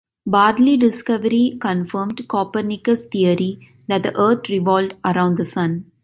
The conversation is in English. Bradley's discovery confirmed Copernicus' theory that the Earth revolved around the Sun.